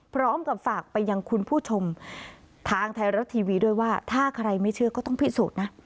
พร้อมกับฝากไปยังคุณผู้ชมทางไทยรัฐทีวีด้วยว่าถ้าใครไม่เชื่อก็ต้องพิสูจน์นะ